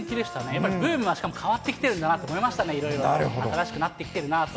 やっぱりブームがしかも変わってきてるんだなと思いましたね、いろいろ、新しくなってきてるなぁと。